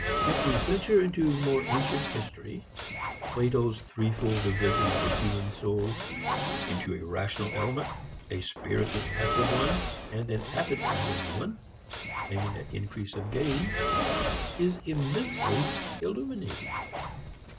If we venture into more ancient history, Plato's threefold division of the human soul into a rational element, a spirited active one, and an appetitive one, aiming at increase or gain, is immensely illuminating.